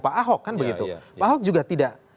pak ahok kan begitu pak ahok juga tidak